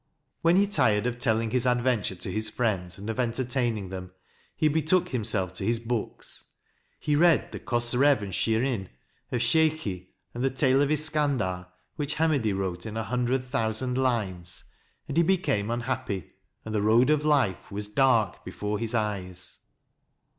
When he tired of telling his adventure to his friends, and of entertaining them, he betook himself to his books. He read the " Khosrev and Shirin " of Sheykhi and the tale of Iskander, which Hamedi wrote in a hundred thousand lines, and he became unhappy, and the road of Life was dark before his eyes.